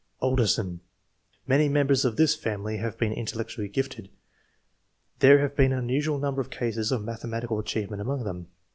Alderson. — ^Many members of this family have been intellectually gifted. There has been an unusual number of cases of mathematical achievement among them.